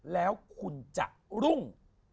แล้วคุณจะรุ่ง